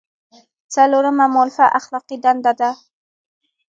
څلورمه مولفه اخلاقي دنده ده.